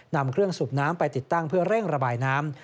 นำเครื่องสูบน้ำไปติดตั้งเพื่อเร่งระบายน้ำ